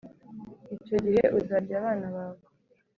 Icyo gihe uzarya abana bawe,